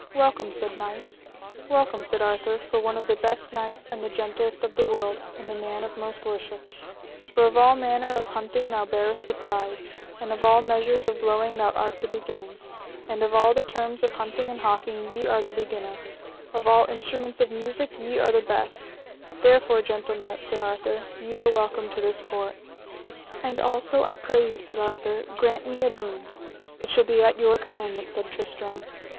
Welcome, said knights. Welcome, said Arthur, for one of the best knights, and the gentlest of the world, and the man of most worship; for of all manner of hunting thou bearest the prize, and of all measures of blowing thou art the beginning, and of all the terms of hunting and hawking ye are the beginner, of all instruments of music ye are the best; therefore, gentle knight, said Arthur, ye are welcome to this court. And also, I pray you, said Arthur, grant me a boon. It shall be at your commandment, said Tristram.